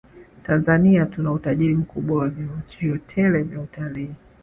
Tanzania tuna utajiri mkubwa wa vivutio tele vya utalii